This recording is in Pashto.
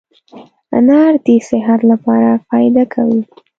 انار دي صحت لپاره فایده کوي